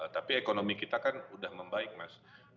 tapi ekonomi kita kan udah membaik mas